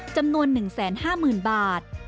จำนวน๑๕๐๐๐บาท